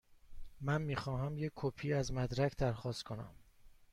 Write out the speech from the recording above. من می خواهم یک کپی از مدرک درخواست کنم.